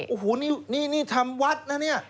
โอ้โหนี่ทำวัดนะเนี่ย